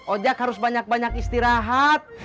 ojek harus banyak banyak istirahat